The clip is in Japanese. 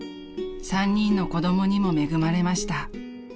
［３人の子供にも恵まれました］